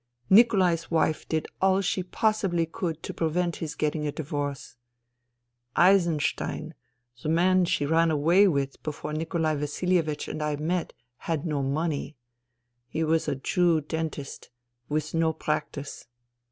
Nikolai's wife did all she possibly could to prevent his getting a divorce. Eisenstein, the man she ran away with before Nikolai Vasilievich and I met, had no money. He was a Jew dentist, with no practice.